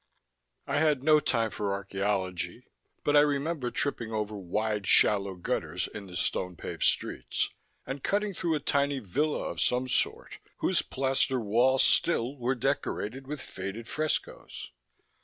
I had no time for archeology, but I remember tripping over wide, shallow gutters in the stone paved streets, and cutting through a tiny villa of some sort whose plaster walls still were decorated with faded frescoes.